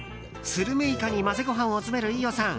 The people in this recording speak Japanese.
スルメイカに混ぜご飯を詰める飯尾さん。